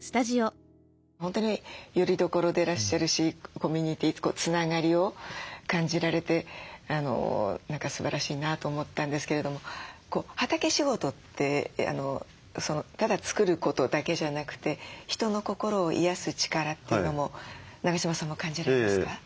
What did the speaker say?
本当によりどころでいらっしゃるしコミュニティーつながりを感じられてすばらしいなと思ったんですけれども畑仕事ってただ作ることだけじゃなくて人の心を癒やす力っていうのも永島さんも感じられますか？